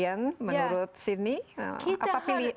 yang semakin majoritarian menurut sini